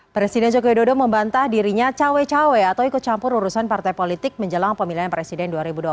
presiden jokowi dodo membantah dirinya cawe cawe atau ikut campur urusan partai politik menjelang pemilihan presiden dua ribu dua puluh